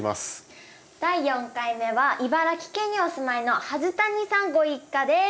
第４回目は茨城県にお住まいの筈谷さんご一家です。